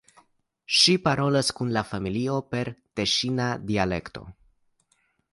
Ŝi parolas kun la familio per teŝina dialekto.